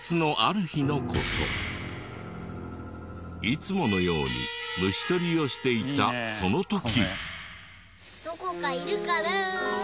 いつものように虫捕りをしていたその時。